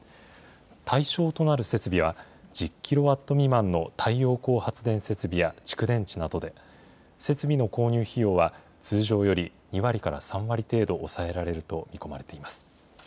対象となる設備は、１０キロワット未満の太陽光発電設備や蓄電池などで、設備の購入費用は、通常より２割から３割程度、抑えられると見込まれています。